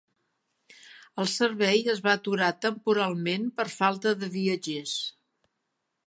El servei es va aturar "temporalment" per falta de viatgers.